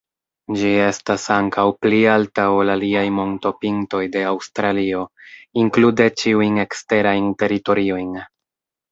Ĝi estas ankaŭ pli alta ol aliaj montopintoj de Aŭstralio, inklude ĉiujn eksterajn teritoriojn.